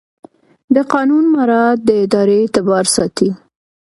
د قانون مراعات د ادارې اعتبار ساتي.